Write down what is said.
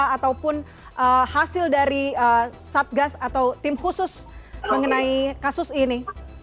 ataupun hasil dari satgas atau tim khusus mengenai kasus ini